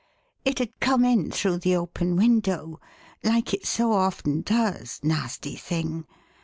It had come in through the open window like it so often does, nasty thing.